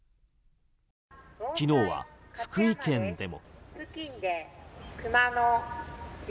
昨日は福井県でも。